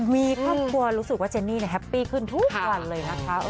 มีครอบครัวรู้สึกว่าเจนนี่แฮปปี้ขึ้นทุกวันเลยนะคะ